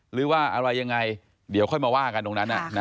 หรือว่าอะไรยังไงเดี๋ยวค่อยมาว่ากันตรงนั้น